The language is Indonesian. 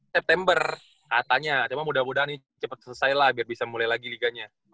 september katanya cuma mudah mudahan ini cepat selesai lah biar bisa mulai lagi liganya